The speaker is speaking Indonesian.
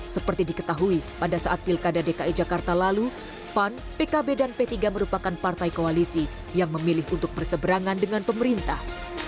seperti diketahui pada saat pilkada dki jakarta lalu pan pkb dan p tiga merupakan partai koalisi yang memilih untuk berseberangan dengan pemerintah